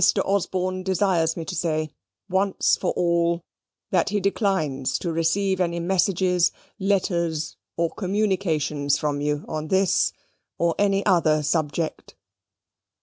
Osborne desires me to say, once for all, that he declines to receive any messages, letters, or communications from you on this or any other subject.